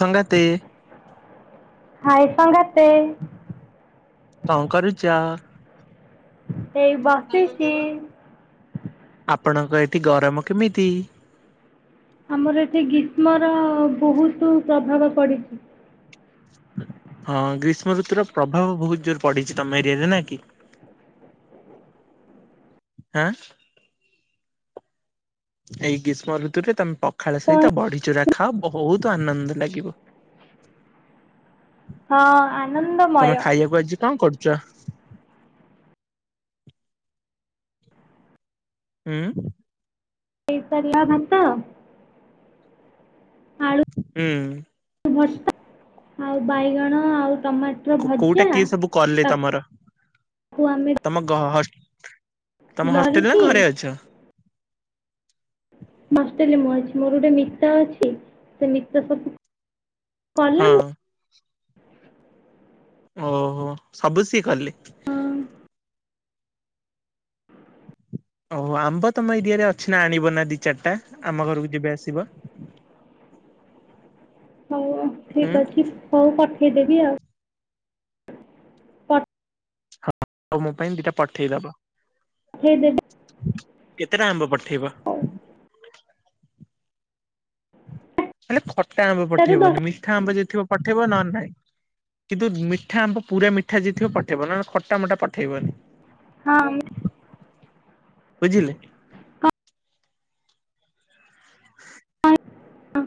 ସଂଙ୍ଗାତେ। ହାଏ ସଂଙ୍ଗାତେ। କଣ କରୁଚ? ଏଇ ବସିଛି। ଆପଣଙ୍କ ଏଠି ଗରମ କେମିତି? ଆମର ଏଠି ଗ୍ରୀଷ୍ମର ବହୁତୁ ପ୍ରଭାବ ପଡ଼ିଛି। ହଁ ଗ୍ରୀଷ୍ମ ଋତୁର ପ୍ରଭାବ ବହୁତ୍ ଜୋରେ ପଡିଛି ତମ ଏରିଆରେ ନା କି? ଆଁ ଏଇ ଗ୍ରୀଷ୍ମ ଋତୁରେ ତମ୍ ପ ପଖାଳ କଣ ସହିତ ବଢିଚୁରା ଖାଅ ବହୁତ୍ ଆନନ୍ଦ ଲାଗିବ। ହଁ ଆନନ୍ଦମୟ। ତମେ ଖାଇବାକୁ ଆଜି କଣ କରୁଚ? ଉଁ। ଏଇ ପର୍ଲା ଭାତ। ହୁଁ। ଭର୍ଣ ଆଉ ବାଇଗଣ ଆଉ ଟମାଟ କୋ କୋଉଟା କିଏ ସବୁ କଲେ ତମର ତାକୁ ଆମେ ତମ କ ହଷ୍ଟ୍ ତମ ହଷ୍ଟେଲରେ ନା ଧରିକି ଘରେ ଅଛ। ବସ୍ତିଲି ମୁଁ ଆଜି ମୋର ଗୋଟେ ମିତ ଅଛି ସେ ମିତ ସବୁ କଲା ହଁ ମୁଁ ଓହୋ ସବୁ ସି କଲେ? ହଁ, ଓହୋ ଆମ୍ବ ତମ ଏରିଆରେ ଅଛି ନା ଆଣିବ ନା ଦି ଚାରିଟା ଆମ ଘରକୁ ଯେବେ ଆସିବ। [inaudible] ହଉ ହୁଁ ଠିକ ଅଛି ହଉ ପଠେଇଦେବି ଆଉ। ପଟ୍ ଆଉ ମୋ ପାଇଁ ଦିଟା ପଠେଇଦବ। [unintelligible] କେତେଟା ଆମ୍ବ ପଠେଇବ? ହେଲେ ଖଟା ଆମ୍ବ ଚାରିଟାରୁ ଦଶ ପଠେଇବନି ମିଠା ଆମ୍ବ ଯଦି ଥିବ ପଠେଇବ ନଅ ନେ ନାଇଁ। କିନ୍ତୁ ମିଠା ଆମ୍ବ ପୁରା ମିଠା ଜିଥିବ ପଠେଇବ ନଅନେ ଖଟା ମଟା ପଠେଇବନି। ହଁମ୍। ବୁଝିଲି।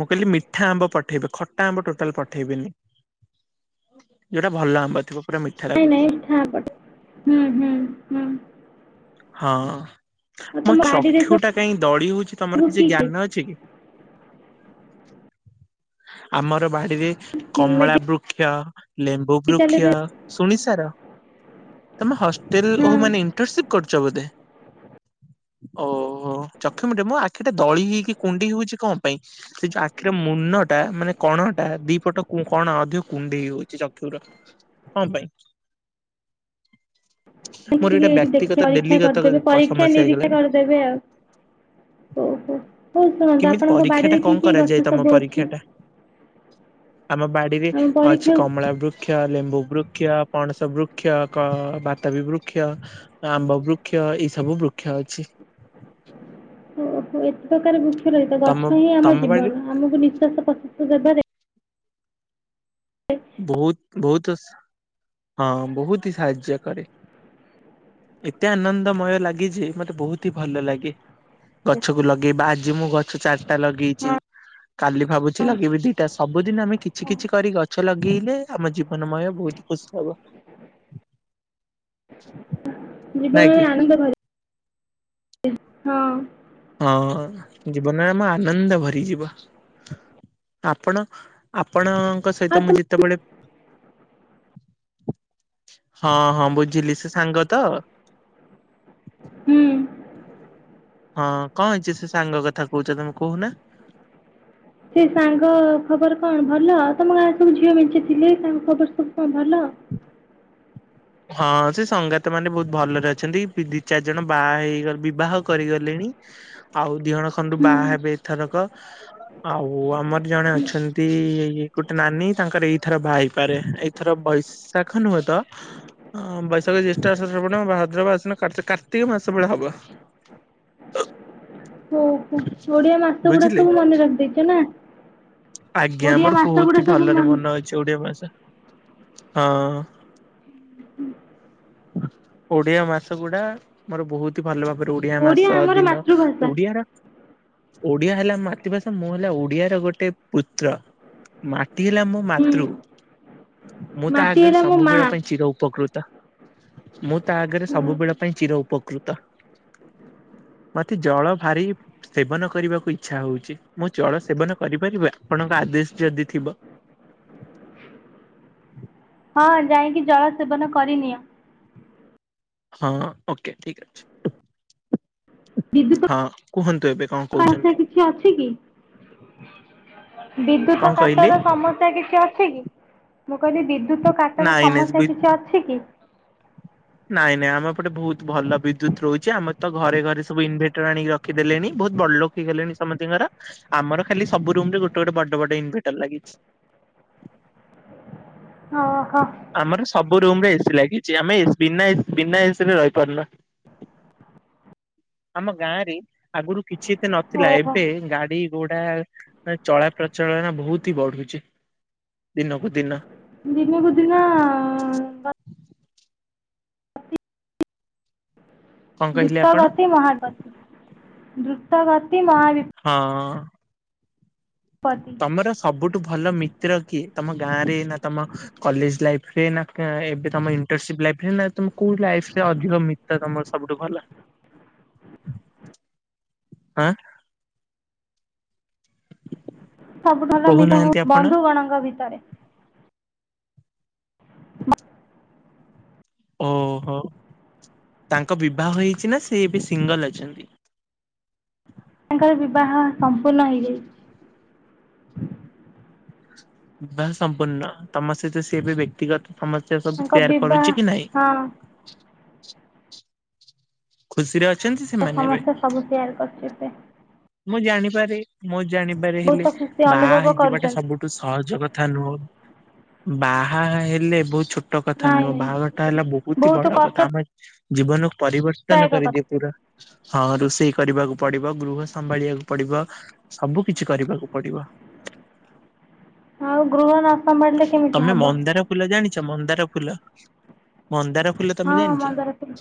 ମୁଁ କହିଲି ମିଠା ଆମ୍ବ ପଠେଇବି ଖଟା ଆମ୍ବ ଟୋଟାଲ୍ ପଠେଇବେନି। ଯୋଉଟା ଭଲ ଆମ୍ବ ଥିବ। ପୁରା ମିଠା ଇଁ ଲାଗୁଥିବ ନାଇଁ [unintelligible] ହୁଁ ହୁଁ ହୁଁ। ହଁ ଆଉ ମୋ ତମ ବାଡ଼ିରେ ଚକ୍ଷୁ ଟା କାହିଁ ଦଳି ହଉଛି ସବୁ ତମର କି କିଛି କି ଜ୍ଞାନ ଅଛି କି? ଆମର ବାଡିରେ କମଳା ବୃକ୍ଷ ଲେମ୍ବୁ ବୃକ୍ଷ ମେଡ଼ିକାଲରେ ଶୁଣି ସାର ତମେ ହଷ୍ଟେଲ୍ ହଁ ଓହୋ ମାନେ ଇଣ୍ଟର୍ସିପ୍ କରୁଛ ବୋଧେ? ଓହୋ ଚକ୍ଷୁମଟେ ମୋ ଆଖି ଟେ ଦଳି ହେଇକି କୁଣ୍ଡି ହଉଛି କ ପାଇଁ? ସେ ଯୋଉ ଆଖିର ମୁନ ଟା ମାନେ କଣଟା ଦି ପଟ କୁ କଣ ଯୋଉ କୁଣ୍ଡେଇ ହୋଉଛି ଚକ୍ଷୁର। କଂପାଇଁ ମୋର ଟିକେ ଏଟା ଏଇଠି ବ୍ୟା ଦେଖି [unintelligible] ଡେଲି ପରୀକ୍ଷା ଗତ କରିଦେବେ କ ପରୀକ୍ଷା ସମସ୍ୟା ନିରୀକ୍ଷା ହେଇଗଲାଣି। କରିଦେବେ ଆଉ ହଉ ହଉ ହଉ ଶୁଣନ୍ତୁ କେମିତି ଆପଣଙ୍କ ପରୀକ୍ଷା ଟା ବାଡ଼ିରେ କି କଣ କି କରାଯାଏ ଗଛ ତମ ସବୁ ଅଛି ପରୀକ୍ଷା ଟା? ଆମ ବାଡିରେ ଆମ ଅଛି କମ ପରୀକ୍ଷା କମଳାବୃକ୍ଷ, ଲେମ୍ବୁବୃକ୍ଷ, ପଣସବୃକ୍ଷ, ବାତାବିବୃକ୍ଷ ଆମ୍ବବୃକ୍ଷ ଏଇସବୁ ବୃକ୍ଷ ଅଛି। ଓ ଏତେ ପ୍ରକାର ବୃକ୍ଷ ରହିଥା ତମ ଗଛ ହିଁ ଆମ ତମ ବାଡିରେ ଜୀବନ ଆମକୁ ନିଶ୍ଵାସ ପ୍ରଶ୍ୱାସ ଦେବାରେ ହ ବହୁତ ବହୁତ ହଁ ବହୁତ ହି ସାହାଯ୍ୟ କରେ। ଏତେ ଆନନ୍ଦମୟ ଲାଗି ଯେ ମତେ ବହୁତ ହି ଭଲ ଲାଗେ। ଗଛକୁ ଲଗେଇବା ଆଜି ମୁଁ ଗଛ ଚାରିଟା ଲଗେଇଛି। ହଁ କାଲି ଭାବୁଛି ଲଗେଇିବି ଦିଟା ସବୁଦିନ ଆମେ କିଛି କିଛି କରିକି ଗ ଛ ଲଗେଇଲେ ଆମ ଜୀବନମୟ ବହୁତ ଖୁସି ହବ। ନାଇଁ ଜୀବନରେ କି ଆନନ୍ଦ ଭ ହଁ ହଁ ଜୀବନମ ଆନନ୍ଦ ଭରିଯିବ। ଆପଣ ଆପଣଙ୍କ ଆଉ ସହିତ ମୁଁ ତମ ଯେତେବେଳେ ହଁ ହଁ ବୁଝିଲି ସେ ସାଙ୍ଗ ତ? ହୁଁ ହଁ କଣ ହେଇଛି ସେ ସାଙ୍ଗ କଥା କହୁଛ ତମେ କହୁନା। ସେ ସାଙ୍ଗ ଖବର କଣ ଭଲ ତମ ଗାଁରେ ସବୁ ଝିଅ ମିଞ୍ଚିଥିଲେ ତାଙ୍କ ଖବର ସବୁ କଣ ଭଲ। ହଁ ସେ ସଙ୍ଗାତ ମାନେ ବହୁତ ଭଲରେ ଅଛନ୍ତି ଦି ଚାରି ଜଣ ବାହା ହେଇଗ ବିବାହ କରିଗଲେଣି। ଆଉ ଦିହଣ ଖନ୍ତୁ ହୁଁ ବାହା ହେବେ ଏଥରକ। ଆଉ ଆମର ଜଣେ ହୁଁ ଅଛନ୍ତି ଏଇ ଗୋଟେ ନାନୀ ତାଙ୍କର ଏଇଥର ବାହା ହେଇପାରେ। ଥର ବୈଶାଖ ନୁହେଁ ତ! ହଁ ବୈଶାଖ, ଜ୍ୟେଷ୍ଠ, ଆଷାଢ, ଶାର୍ବଣ, ଭାଦ୍ରବ, ଆସିନ, କାର୍ତ୍ତି କାର୍ତ୍ତିକମାସ ବେଳେ ହବ। ହ ହୋ ଓଡିଆ ମାସ ଗୁଡା ବୁଝିଲେ। ସବୁ ମନେ ରଖିଦେଇଛ ନା। ଆଜ୍ଞା ଓଡିଆ ମୋର ମାସ ବହୁତ ଗୁଡା ହି ସବୁ ଭଲରେ ମନେ ଅଛି ଓଡିଆ ଭାଷା ହଁ। ଓଡିଆ ମାସ ଗୁଡା ମୋର ବହୁତ ଭଲ ଭାବରେ ଓଡିଆ ମାସ ଆମର ଦିନ ମାତୃଭାଷା ଓଡିଆର ଓଡିଆ ହେଲା ମାତୃଭାଷା ମୁଁ ହେଲା ଓଡିଆର ଗୋଟେ ପୁତ୍ର। ମାଟି ହେଲା ମୋ ହୁଁ। ମାତୃ ମୁଁ ତ ମାଟି ଆଗରେ ହେଲା ମୋ ମା ସବୁବେଳେ ଚିରଉପକୃତ ମୁଁ ତା ଆଗରେ ହୁଁ ସବୁବେଳ ପାଇଁ ଚିର ଉପକୃତ। ମତେ ଜଳ ଭାରି ସେବନ କରିବାକୁ ଇଚ୍ଛା ହଉଛି ମୁଁ ଜଳ ସେବନ କରିପାରିବନି ଆପଣଙ୍କ ଆଦେଶ ଯଦି ଥିବ। ହଁ ଯାଇକି ଜଳ ସେବନ କରିନିଅ। ହଁ ଓକେ ଠିକ ଅଛି ହଁ କୁହନ୍ତୁ ଏବେ କଣ। ପାସ କହୁଛନ୍ତି କିଛି ଅଛି କି। କଣ ବିଦ୍ୟୁତ କାଟ କହିଲେ? ର ସମସ୍ୟା କିଛି ଅଛି କି। ମୁଁ କହିଲି ବିଦ୍ୟୁତ କାଟର ନାଇଁ ସମସ୍ୟା ନାଇଁ କିଛି ଅଛି କି। ନାଇଁ ନାଇଁ ଆମ ଏପଟେ ବହୁତ ଭଲ ବିଦ୍ୟୁତ୍ ରହୁଛି ଆମେ ତ ଘରେ ଘରେ ସବୁ ଇନଭେଟର ଆଣିକି ରଖିଦେଲେଣି ବହୁତ ବଡ ଲୋକ। ଠିକ ଗଲେଣି ସମସ୍ତତିଙ୍କର ଆମର ଖାଲି ସବୁ ରୁମ ରେ ଗୋଟେ ଗୋଟେ ବଡ ବଡ ଇନଭଟର ଲାଗିଛି। ଅ ହ। ଆମର ସବୁ ରୁମରେ ଏସି ଲାଗିଛି ଆମେ ଏ ବିନା ଏ ବିନା ଏସି ରେ ରହିପାରୁନା। ଆମ ଗାଁରେ ଆଗରୁ କିଛି ଏତେ ନଥିଲା ଓହୋ। ଏବେ ଗାଡି ଗୋଟା ଚଳା ପ୍ରଚଳନ ବହୁତ ହି ବଢୁଛି ଦିନକୁ ଦିନ। ଦିନକୁ ଦିନ କଣ କହିଲେ ଆପଣ ଦ୍ରୁତଗତି ମହାଗତି ଦ୍ରୁତଗତି ମହାବି ହଁ। ପତି ତମର ସବୁଠୁ ଭଲ ମିତ୍ର କି ତମ ଗାଁ ରେ ନା ତମ କଲେଜ ଲାଇଫ ଏଇନାକେ ଏବେ ତ ଇଣ୍ଟ ଲରେ ନା ତମେ କୋଉ ଲାଇ ରେ ଅଧିକ ମି ତମର ସବୁଠୁ ଭଲ। ଆଁ। ସବୁ ମିତ ମୋ କହୁନାହାନ୍ତି ଭଲ ଆପଣ ବନ୍ଧୁଗଣଙ୍କ ଭିତରେ। ଵ ଓହୋ ତାଙ୍କ ବିବାହ ହେଇଛି ନା ସେ ଏବେ ସିଙ୍ଗଲ ଅଛନ୍ତି। ତାଙ୍କର ବିବାହ ସମ୍ପୂର୍ଣ୍ଣ ହେଇଯାଇଚି। ବା ସମ୍ପୂର୍ଣ୍ଣ ତମ ସହିତ ସେଏ ବି ବ୍ୟକ୍ତିଗତ ସମସ୍ୟା ସବୁ ତାଙ୍କ ସେୟାର ବିବାହ କରୁଛି କି ନାଇଁ। ହଁ ଖୁସିରେ ଅଛନ୍ତି ତ ସେମାନେ ଏବେ? ସମସ୍ତେ ସବୁ ସେୟାର କରୁଚି ଏବେ। ମୁଁ ଜାଣିପାରେ ମୁଁ ଜାଣିପାରେ ହେଲେ ବହୁତ ସିଏ ଖୁସି ବାହା ଅନୁଭବ ହେଇଯିବାଟା କରୁଛନ୍ତି। ସବୁଠୁ ସହଜ କଥା ନୁହଁ ବାହା ହେଲେ ବୁଝୁ ଛୋଟ କଥା ନାଇଁ ନୁହଁ ନାଇଁ ବାହାଘର ଟା ହେଲା ବହୁତୀ ବହୁତ ବଡ କଥା ଆମ ଜୀବନ ପରିବର୍ତ୍ତନ କଷ୍ଟଦାୟକ କରିଦିଏ କଥା। ପୁରା ହଁ ରୋଷେଇ କରିବାକୁ ପଡିବ ଗୃହସ ସମ୍ଭାଳିବାକୁ ପଡିବ ସବୁ କିଛି କରିବାକୁ ପଡିବ। ଆଉ ଗୃହ ନ ସମ୍ଭାଳୀଲେ କେମିତି ତମେ ହବ। ମନ୍ଦାର ଫୁଲ ଜାଣିଛ ମନ୍ଦାର ଫୁଲ ମନ୍ଦାର ଫୁଲ ତମେ ହଁ ଜାଣିଛ ମନ୍ଦାର ଫୁଲ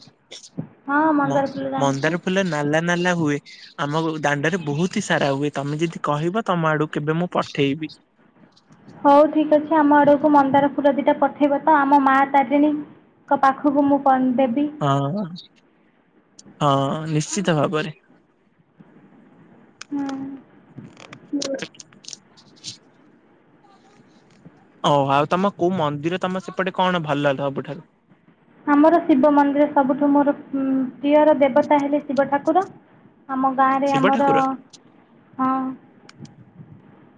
ହଁ ମ ମନ୍ଦାର ଫୁଲ ଜାଣିଛି। ମନ୍ଦାର ଫୁଲ ନାଲା ନାଲା ହୁଏ। ଆମ ଗୋ ଦାଣ୍ଡରେ ବହୁତ ହି ସାରା ହୁଏ ତମେ ଯଦି କହିବ ତମ ଆଡକୁ କେବେ ମୁଁ ପଠେଇବି। ହଉ ଠିକ ଅଛି ଆମ ଆଡକୁ ମନ୍ଦାର ଫୁଲ ଦିଟା ପଠେଇବ ତ ଆମ ମା ତାରିଣୀ କ ପାଖକୁ ମୁଁ କଣ ଦେବି। ହଁ ବା। ହଁ ନିଶ୍ଚିତ ଭାବରେ। ହୁଁ। ହଁ [unintelligible] ଓହ ଆଉ ତମ କୋଉ ମନ୍ଦିର ତମ ସେପଟେ କଣ ଭଲ ଲାଗ ସବୁଠାରୁ ଆମର ଶିବ ମନ୍ଦିର ସବୁଠୁ ମୋର ପ୍ରିୟର ଦେବତା ହେଲେ ଶିବ ଠାକୁର। ଆମ ଗାଁରେ ଶିବ ଆମର ଠାକୁର? ହଁ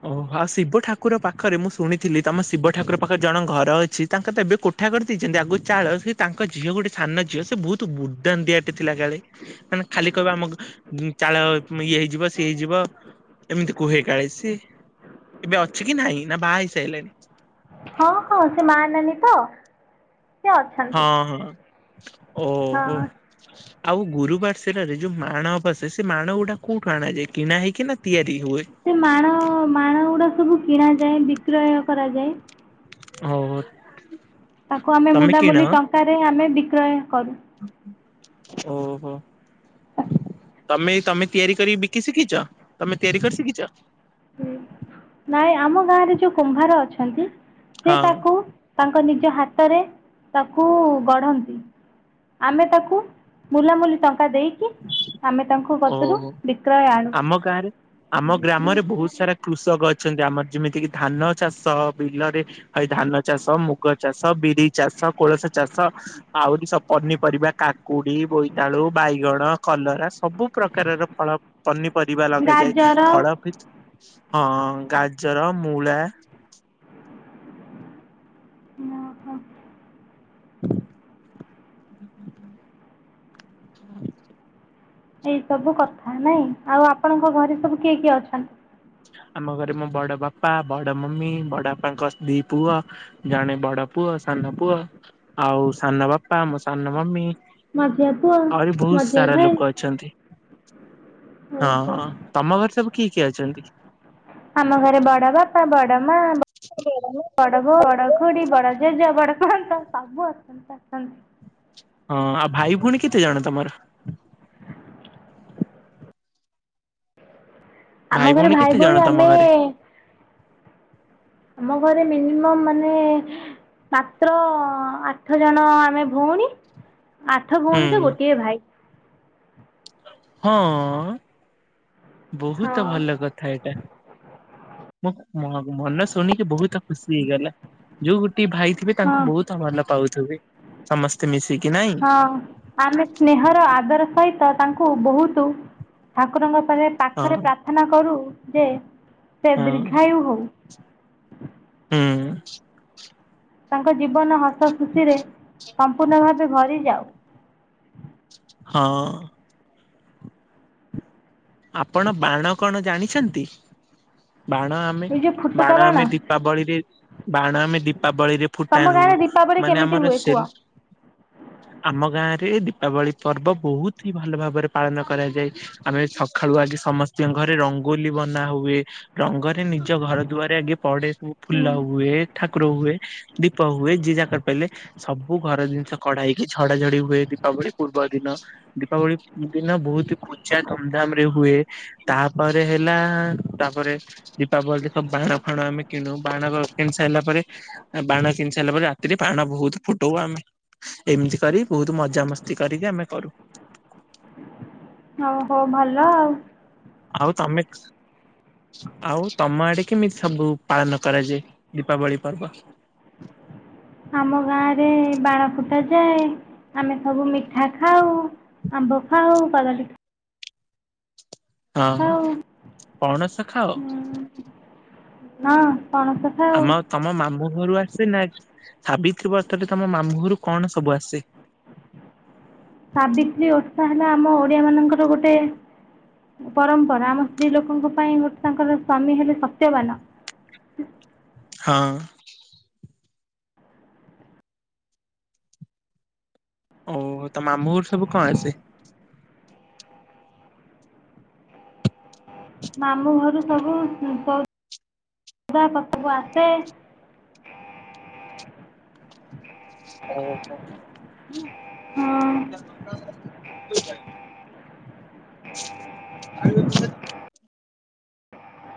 ଓହୋ ଆଉ ଶିବ ଠାକୁର ପାଖରେ ମୁଁ ଶୁଣିଥିଲି ତମ ଶିବ ଠାକୁର ପାଖରେ ଜଣ ଘର ଅଛି ତାଙ୍କ ତ ଏବେ କୋ କୋଠା କରି ଦେଇଛନ୍ତି ଆଗରୁ ଚାଳ ସେ ତାଙ୍କ ଝିଅ ଗୋଟେ ସାନ ଝିଅ ସେ ବହୁତ ଦୁର୍ଦାନ୍ତ ଦିଆଟେ ଥିଲା କାଳେ। ମାନେ ଖାଲି କହିବ ଆମ ଚାଳ ଇଏ ହେଇଯିବ ସିଏ ହେଇଯିବ। ଏମିତି କୁହେ କାଳେ ସିଏ ଏବେ ଅଛି କି ନାଇଁ ନା ବାହା ହୋଇସାଇଲାଣି। ହଁ ହଁ ସେ ମା ନାନୀ ତ ସେ ଅଛନ୍ତି। ଓ ହଁ ହୋ। ଆଉ ଗୁରୁବାର ସେରରେ ଯୋଉ ମାଣ ବସେ ସେ ମାଣ ଗୁଡା କୋଉଠୁ ଆଣାଯାଏ କିଣା ହେଇକି ନା ତିଆରି ହୁଏ। ସେ ମାଣ ମାଣ ଗୁଡା ସବୁ କିଣ ଯାଏ ବିକ୍ରୟ କରାଯାଏ। ହଉ। ଏ। ତାକୁ ଆମେ ମୁୁଲାମୁଲି ଟଙ୍କାରେ ଆମେ ବିକ୍ରୟ କରୁ। ଓହୋ। ତମେ ତମେ ତିଆରି କରି ବିକି ଶିଖିଚ ତମେ ତିଆରି କରି ଶିଖିଚ। ହୁ ନାଇଁ ଆମ ଗାଁ ରେ ଯୋଉ କୁମ୍ଭାର ଅଛନ୍ତି ସେ ହଁ ତାକୁ ତାଙ୍କ ନିଜ ହାତରେ ତାକୁ ଗଢ଼ନ୍ତି। ଆମେ ତାକୁ ମୁୁଲାମୁଲି ଟଙ୍କା ଦେଇକି ଆମେ ତାଙ୍କୁ ଓହୋ ସେଥିରୁବିକ୍ରୟ ଆଣୁ। ଆମ ଗାଁରେ ଆମ ଗ୍ରାମରେ ବହୁତ ସାରା କୃଷକ ଅଛନ୍ତି ଆମର ଯେମିତି କିି ଧାନ ଚାଷ ବିଲରେ ଭାଇ ଧାନ ଚାଷ ମୁଗ ଚାଷ ବିରି ଚାଷ କୋଳଥ ଚାଷ ଆହୁରି ସବ ପନିପରିବା କାକୁଡି ବୋଇତାଳୁ ବାଇଗଣ କଲରା ସବୁ ପ୍ରକାରର ଫଳ ପନିପରିବା ଲଗାଯାଏ ଗାଜର ଫଳ ଭିତ ହଁ ଗାଜର ମୂଳା ହଁ ହଁ। ଏଇ ସବୁ କଥା ନାଇଁ ଆଉ ଆପଣଙ୍କ ଘରେ ସବୁ କିଏ କିଏ ଅଛନ୍ତି? ଆମ ଘରେ ମୋ ବଡ ବାପା ବଡ ମମି ବଡ ବାପାଙ୍କ ଦି ପୁଅ ଜଣେ ବଡ ପୁଅ ସାନ ପୁଅ ଆଉ ସାନ ବାପା ଆମ ସାନ ମମି ମୋ ଝିଅ ପୁଅ ଆହୁରି ମୋ ବହୁତ ଝିଅ ସାରା ଭାଇ। ଲୋକ ଅ ଛନ୍ତି ଓହୋ ହଁ ଅ ତମ ଘରେ ସବୁ କିଏ କିଏ ଅଛନ୍ତି? ଆମ ଘରେ ବଡ ବା ପା ବଡ ମା, ବ ହଁ ବଡ ବୋଉ, ବଡ ଖୁଡି, ବଡ ଜେଜ, ବଡ ଆ ତ ସବୁ ଅସଛନ୍ତି ଆସନ୍ତି ହଁ ଆ ଭାଇ ଭଉଣୀ କେତେ ଜଣ ତମର? ଆମ ଘରେ ଭାଇ କେତେ ଜଣ ଭଉଣୀ ତମ ଆମେଏ ଘରେ? ଆମ ଘରେ ମିନିମମ୍ ମାନେ ମାତ୍ର ଆଠ ଜଣ ଆମେ ଭଉଣୀ ଆଠ ହୁଁ ଭଉଣୀରେ ଗୋଟିଏ ଭାଇ। ହଁଅ ହଁ ବହୁତ ଭଲ କଥା ଏଟା ମୁଁ ମ ମନ ଶୁନିକି ବହୁତ ଖୁସି ହେଇଗଲା ଯୋଉ ଗୋଟିଏ ଭାଇ ଥିବେ ହଁ ତାଙ୍କୁ ବହୁତ ଭଲ ପାଉଥିବେ। ସମସ୍ତେ ମିଶିକି ନାଇଁ ହଁ ଆମେ ସ୍ନେହର ଆଦର ସହିତ ତାଙ୍କୁ ବହୁତୁ ଠାକୁରଙ୍କ ପାରେ ହଁ ପାଖରେ ପ୍ରାପ୍ ପ୍ରାର୍ଥନା କରୁ ଯେ ସେ ହଁ ଦୀର୍ଘାୟୁ ହଉ। ହୁଁଉ। ତାଙ୍କ ଜୀବନ ହସ ଖୁସିରେ ସମ୍ପୂର୍ଣ୍ଣ ଭାବେ ଭରିଯାଉ। ହଁଅ। ଆପଣ ବାଣ କଣ ଜାଣିଛନ୍ତି? ବାଣ ଆମେ ଏଇ ଯୋଉ ଫୁଟୁକା ବାଣ ଆମେ ଦୀ ପାବଳିରେ ବାଣ ଆମେ ଦୀପାବଳିରେ ତମ ଫୁଟାଣୁ ଗାଁରେ ଦୀପାବଳି ମାନେ କେମିତି ଆମର ହୁଏ କୁହ ସେଲ ଆମ ଗାଁ ରେ ଦୀପାବଳି ପର୍ବ ବହୁତ ହି ଭଲ ଭାବରେ ପାଳନ କରାଯାଏ। ଆମେ ସ ସଖାଳୁ ଆଗେ ସମସ୍ତିଙ୍କ ଘରେ ରଙ୍ଗୋଲି ବନା ହୁଏ ରଙ୍ଗରେ ନିଜ ଘର ଦୁଆରେ ଆଗେ ପଡେ ବୁ ହୁଁ ଫୁଲ ହୁଏ, ଠାକୁର ହୁଏ, ଦୀପ ହୁଏ, ଯିଏ ଜା କରି ପାଇଲେ। ସବୁ ଘର ଜିନିଷ କଢା ହେଇକି ଝଡା ଝଡି ହୁଏ ଦୀପାବଳି ପୂର୍ବ ଦିନ। ଦୀପାବଳି ଦିନ ବହୁତ କୁଜା ଧୁମଧାମ ରେ ହୁଏ। ତାପରେ ହେଲାଆ ତାପରେ ଦୀପାବଳିରେ ତ ବାଣ ଫାଣ ଆମେ କିଣୁ ବାଣ ବ କିଣି ସାଇଲା ପରେ ଆ ବାଣ କିଣି ସାରିଲା ପରେ ରାତିରେ ବାଣ ବହୁତ ଫୁଟଉ ଆମେ। ଏମିତି କରି ବହୁତ ମଜାମସ୍ତି କରିକି ଆମେ କରୁ। ଓହୋ ଭଲ ଆଉ ଆଉ ତମେ ଆଉ ତମ ଆଡେ କେମିତି ସବୁ ପାଳନ କରାଯାଏ ଦୀପାବଳି ପର୍ବ? ଆମ ଗାଁରେ ବାଳ ଫୁଟାଯାଏ ଆମେ ସବୁ ମିଠା ଖାଉ। ଆମ୍ବ ଖାଉ କଦଳୀ ହଁ ହ ଖାଉ ପଣସ ଖାଅ? ନାଁ ପଣସ ଖାଉ ଆମ ତମ ମାମୁଁ ଘରୁ ଆସେ ନା ସାବିତ୍ରୀ ବ୍ରତରେ ତମ ମାମୁଁ ଘରୁ କଣ ସବୁ ଆସେ? ସାବିତ୍ରୀ ଓଷା ହେଲା ଆମ ଓଡିଆ ମାନଙ୍କର ଗୋଟେ ପରମ୍ପରା ଆମ ସ୍ତ୍ରୀ ଲୋକଙ୍କ ପାଇଁ ଗୋଟେ ତାଙ୍କର ସ୍ଵାମୀ ହେଲେ ସତ୍ୟବାନ। ହଁ। ଓହୋ ତ ମାମୁଁ ଘରୁ ସବୁ କଣ ଆସେ? ମାମୁଁ ଘରୁ ସବୁ ଉଁ ସ ଦା ପାଖକୁ ଆସେ। [inaudible] ଓହୋ ହଁ ହୁଁ। [unintelligible] କୁ [unintelligible]